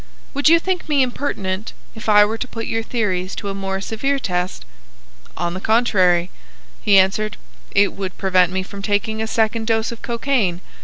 Would you think me impertinent if I were to put your theories to a more severe test?" "On the contrary," he answered, "it would prevent me from taking a second dose of cocaine.